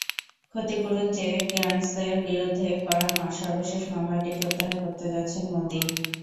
ক্ষতিপূরণ চেয়ে কেয়ার্নসের বিরুদ্ধে করা সর্বশেষ মামলাটি প্রত্যাহার করতে যাচ্ছেন মোদি।